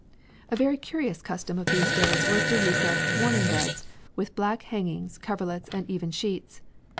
A very curious custom of these days was the use of "mourning beds," with black hangings, coverlets, and even sheets.